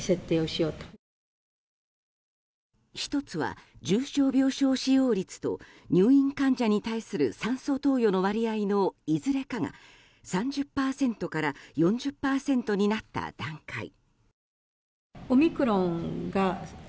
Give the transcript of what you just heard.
１つは、重症病床使用率と入院患者に対する酸素投与の割合のいずれかが３０％から４０％になった段階。